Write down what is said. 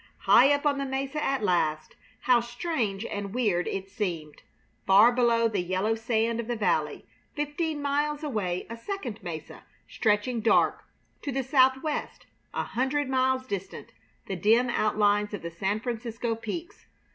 High up on the mesa at last, how strange and weird it seemed! Far below the yellow sand of the valley; fifteen miles away a second mesa stretching dark; to the southwest, a hundred miles distant, the dim outlines of the San Francisco peaks.